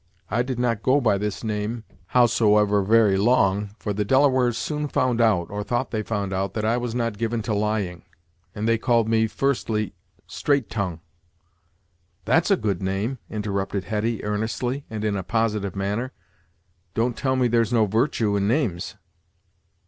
I did not go by this name, howsoever, very long; for the Delawares soon found out, or thought they found out, that I was not given to lying, and they called me, firstly, 'Straight tongue.'" "That's a good name," interrupted Hetty, earnestly, and in a positive manner; "don't tell me there's no virtue in names!"